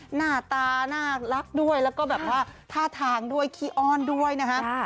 หน้าตาน่ารักด้วยแล้วก็แบบว่าท่าทางด้วยขี้อ้อนด้วยนะฮะ